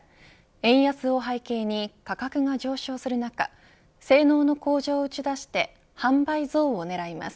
円安を背景に価格が上昇する中性能の向上を打ち出して販売増を狙います。